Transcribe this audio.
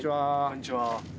こんにちは。